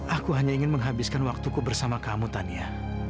aku hanya ingin menghabiskan waktuku bersama kamu tania